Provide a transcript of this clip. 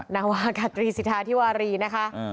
นาวากาตรีสิทธาธิวารีนะคะ